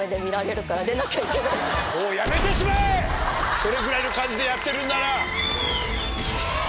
それぐらいの感じでやってるんなら！